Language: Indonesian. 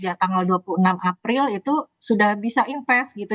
jadi kita sudah melakukan penerbitan di tanggal dua puluh enam april itu sudah bisa investasi gitu